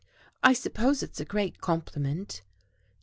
"I suppose it's a great compliment."